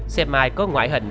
xem ai có ngoại hình